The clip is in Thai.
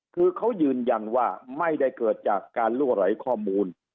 คือเขายืนยันว่าไม่ได้เกิดจากการลั่วไหลข้อมูล